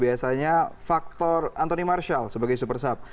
biasanya faktor anthony marshal sebagai super sub